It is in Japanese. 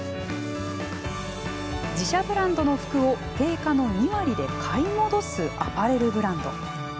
自社ブランドの服を定価の２割で買い戻すアパレルブランド。